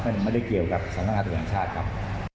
มันไม่ได้เกี่ยวกับสำนักงานตรวจแห่งชาติครับ